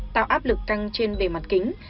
tạo áp lực căng trên bề mặt kính